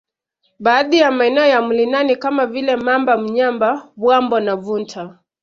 Baadhi ya maeneo ya milinani kama vile mamba Mnyamba Bwambo na Vunta